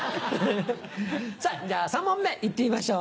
さぁ３問目行ってみましょう。